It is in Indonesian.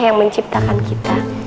yang menciptakan kita